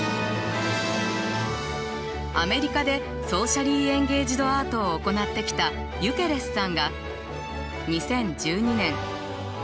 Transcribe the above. アメリカでソーシャリー・エンゲイジド・アートを行ってきたユケレスさんが２０１２年新潟の芸術祭